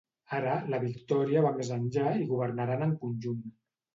Ara la victòria va més enllà i governaran en conjunt.